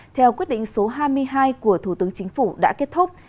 theo quyết định số hai mươi hai của thủ tướng chính phủ đã kết thúc